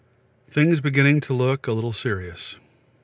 Things beginning to look a little serious.